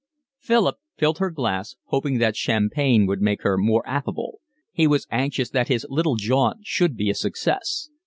Philip filled her glass, hoping that champagne would make her more affable; he was anxious that his little jaunt should be a success.